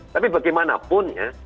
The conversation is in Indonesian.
tapi bagaimanapun ya